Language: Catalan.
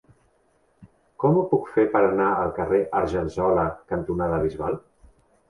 Com ho puc fer per anar al carrer Argensola cantonada Bisbal?